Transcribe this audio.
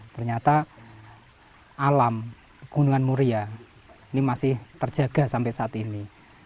ternyata alam gunungan muria ini masih terjaga sampai saat ini